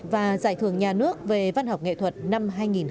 và giải thưởng nhà nước về văn học nghệ thuật năm hai nghìn bảy